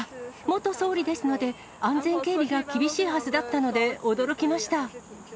元総理ですので、安全警備が厳しいはずだったので、驚きました。